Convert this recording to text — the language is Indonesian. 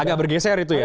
agak bergeser itu ya